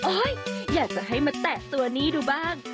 อยากจะให้มาแตะตัวนี้ดูบ้าง